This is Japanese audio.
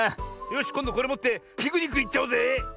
よしこんどこれもってピクニックいっちゃおうぜ！